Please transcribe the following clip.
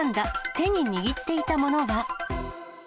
手に握っていたものは？